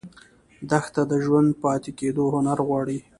دښته د ژوندي پاتې کېدو هنر غواړي.